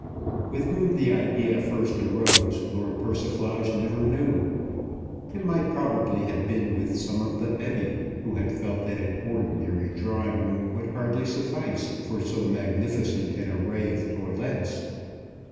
With whom the idea first arose Lord Persiflage never knew. It might probably have been with some of the bevy, who had felt that an ordinary drawing room would hardly suffice for so magnificent an array of toilets.